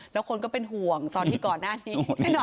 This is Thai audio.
แล้วคนก็เป็นห่วงตอนที่ก่อนหน้านี้